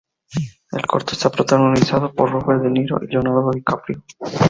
El corto está protagonizado por Robert De Niro y Leonardo DiCaprio.